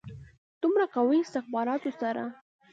دومره قوي استخباراتو سره.